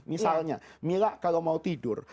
misalnya mila kalau mau tidur